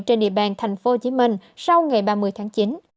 trên địa bàn thành phố hồ chí minh sau ngày ba mươi tháng chín